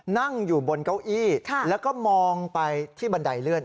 นั่งอยู่บนเก้าอี้แล้วก็มองไปที่บันไดเลื่อน